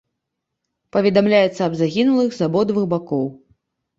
Паведамляецца аб загінулых з абодвух бакоў.